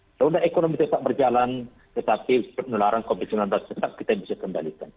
seolah olah ekonomi tetap berjalan tetapi penularan covid sembilan belas tetap kita bisa kembalikan